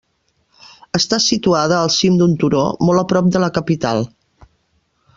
Està situada al cim d'un turó, molt a prop de la capital.